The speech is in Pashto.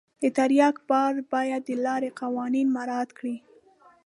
د ټرک بار باید د لارې قوانین مراعت کړي.